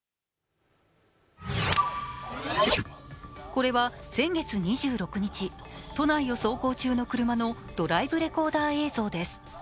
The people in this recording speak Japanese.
これは先月２６日、都内を走行中の車のドライブレコーダー映像です。